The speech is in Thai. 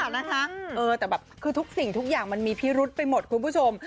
แต่แบบคือทุกสิ่งทุกอย่างมันมีพิรุษไปหมดคุณผู้ชม